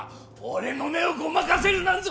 俺の目をごまかせるなんぞ。